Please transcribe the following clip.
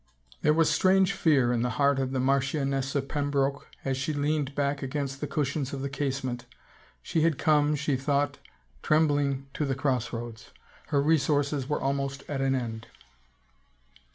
There was strange fear in the heart of the Marchioness of Pembroke as she leaned back against the cushions of 245 THE FAVOR OF KINGS the casement. She had come, she thought, trembling, to the crossroads. ... Her resources were almost at an end.